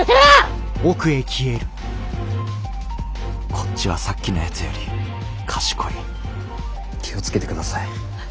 こっちはさっきのやつより賢い気を付けて下さい。